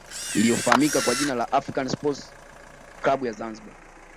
iliyofahamika kwa jina la african sport club ya zanzibar